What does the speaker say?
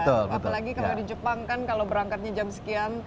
apalagi kalau di jepang kan kalau berangkatnya jam sekian